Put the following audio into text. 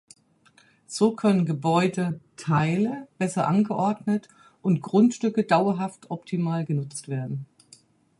So können Gebäude(teile) besser angeordnet und Grundstücke dauerhaft optimal genutzt werden.